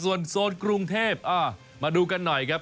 ส่วนโซนกรุงเทพมาดูกันหน่อยครับ